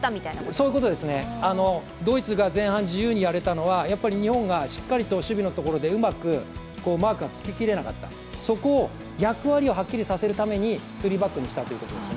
そういうことですね、ドイツが前半自由にやれたのはやっぱり日本がしっかり守備のところでうまくマークがつききれなかった、そこを役割をはっきりさせるためにスリーバックにしたということです。